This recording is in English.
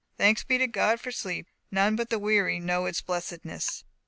Thanks to God for sleep! None but the weary know its blessedness.